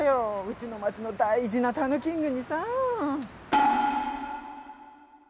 うちの町の大事なたぬキングにさ。